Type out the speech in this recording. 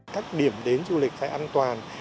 cách điểm đến du lịch phải an toàn